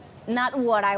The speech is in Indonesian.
bukan yang aku inginkan